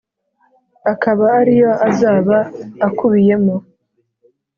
akaba ari yo azaba akubiyemo